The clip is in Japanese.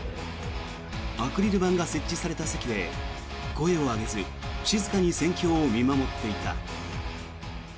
アクリル板が設置された席で声を上げず静かに戦況を見守っていた。